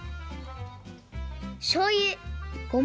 しょうゆごま